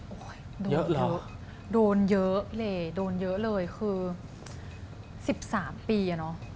โอ้ยโดนเยอะเลยโดนเยอะเลยคือ๑๓ปีอ่ะเนอะ